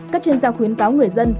các chuyên gia khuyến cáo người dân